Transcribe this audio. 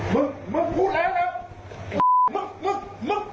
มึงมึงพูดแล้วนะ